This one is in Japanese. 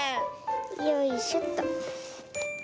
よいしょっと。